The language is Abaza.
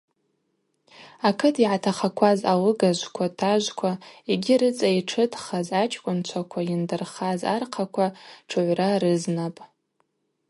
Акыт йгӏатахакваз алыгажвква, тажвква йгьи рыцӏа йтшытхаз ачкӏвынчваква йындырхаз архъаква тшыгӏвра рызнапӏ.